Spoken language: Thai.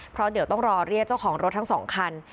เพราะเดี๋ยวต้องรอเรียกเจ้าของรถทั้งสองคัน